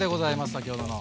先ほどの。